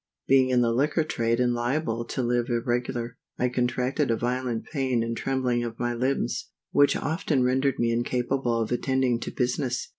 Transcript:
_ BEING in the Liquor Trade and liable to live irregular, I contracted a violent pain and trembling of my limbs, which often rendered me incapable of attending to business.